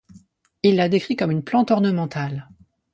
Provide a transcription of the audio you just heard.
Il la décrit comme une plante ornementale.